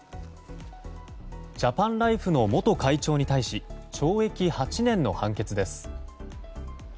ジャパンライフの元会長に対し懲役８年の判決です。